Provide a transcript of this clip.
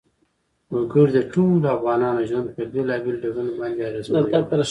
وګړي د ټولو افغانانو ژوند په بېلابېلو ډولونو باندې اغېزمنوي.